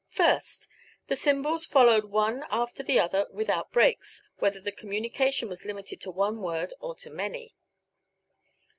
First: The symbols followed one after the other without breaks, whether the communication was limited to one word or to many.